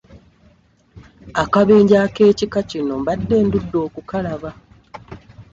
Akabenje ak'ekika kino mbadde ndudde okukalaba.